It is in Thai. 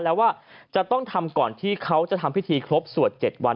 แล้วว่าจะต้องทำก่อนที่เขาจะทำพิธีครบสวด๗วัน